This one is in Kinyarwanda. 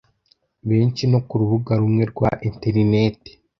benshi no ku rubuga rumwe rwa interinete